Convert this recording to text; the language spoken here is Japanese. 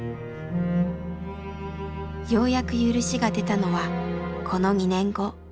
ようやく許しが出たのはこの２年後。